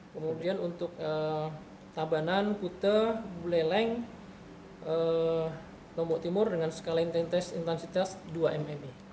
kemudian untuk tabanan kute buleleng lombok timur dengan skala intensitas dua mmi